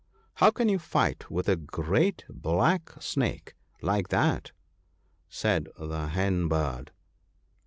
"How can you fight with a great black snake like that ?" said the Hen bird.